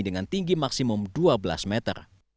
dengan tinggi maksimum dua belas meter